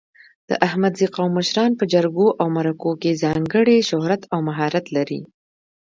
د احمدزي قوم مشران په جرګو او مرکو کې ځانګړی شهرت او مهارت لري.